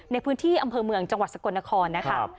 ในพื้นที่อำเภอเมืองจังหวัดสกลนครนะคะ